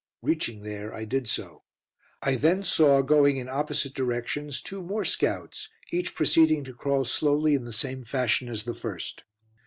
Reaching there, I did so. I then saw, going in opposite directions, two more scouts, each proceeding to crawl slowly in the same fashion as the first.